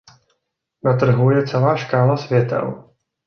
Na trhu je celá škála světel.